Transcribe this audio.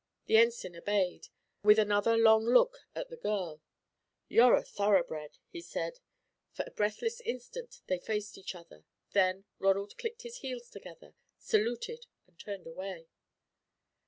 The Ensign obeyed, with another long look at the girl. "You're a thoroughbred," he said. For a breathless instant they faced each other, then Ronald clicked his heels together, saluted, and turned away.